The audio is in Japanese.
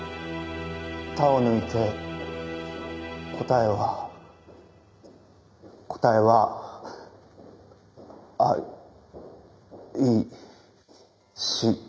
「た」を抜いて答えは答えは「あいしてる」。